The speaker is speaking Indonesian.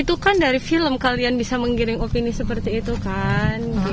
itu kan dari film kalian bisa menggiring opini seperti itu kan